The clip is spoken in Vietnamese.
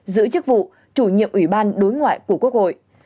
giữ chức vụ chủ nhiệm ủy ban đối ngoại của quốc hội